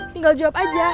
tinggal jawab aja